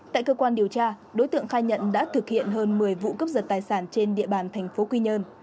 tại cơ quan điều tra đối tượng khai nhận đã thực hiện hơn một mươi vụ cấp giật tài sản trên địa bàn thành phố quy nhơn